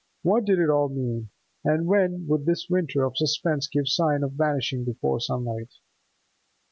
What did it all mean, and when would this winter of suspense give sign of vanishing before sunlight?